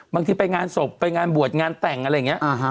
ไปงานศพไปงานบวชงานแต่งอะไรอย่างนี้